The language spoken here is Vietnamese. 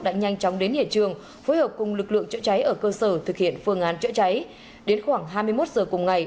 đã nhanh chóng đến hiện trường phối hợp cùng lực lượng chữa cháy ở cơ sở thực hiện phương án chữa cháy đến khoảng hai mươi một giờ cùng ngày